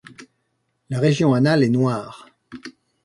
La région anale est noire.